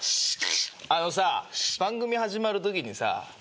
あのさ番組始まるときにさ